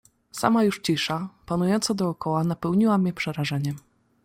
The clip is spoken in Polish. "Sama już cisza, panująca dokoła, napełniała mię przerażeniem."